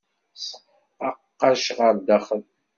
Tesqaqec ɣer daxel.